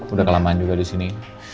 udah kelamaan juga disini